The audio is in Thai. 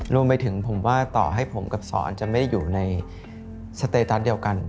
รวมไปถึงผมว่าต่อให้ผมกับสอนจะไม่ได้อยู่ในสเตตัสเดียวกัน